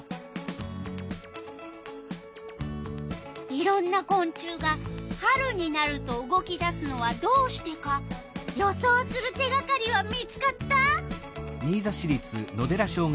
いろんなこん虫が春になると動き出すのはどうしてか予想する手がかりは見つかった？